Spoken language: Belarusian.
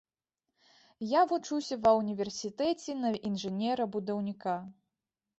Я вучыўся ва ўніверсітэце на інжынера-будаўніка.